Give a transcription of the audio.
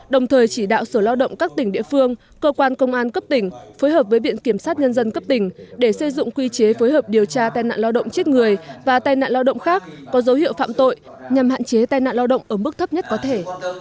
đồng thời chỉ đạo sở lao động các tỉnh địa phương cơ quan công an cấp tỉnh phối hợp với viện kiểm sát nhân dân cấp tỉnh để xây dựng quy chế phối hợp điều tra tai nạn lao động chết người và tai nạn lao động khác có dấu hiệu phạm tội nhằm hạn chế tai nạn lao động ở mức thấp nhất có thể